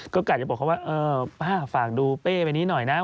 ก็กะจะบอกเขาว่าเออป้าฝากดูเป้ไปนี้หน่อยนะ